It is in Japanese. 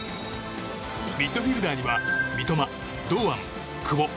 ミッドフィールダーには三笘、堂安、久保。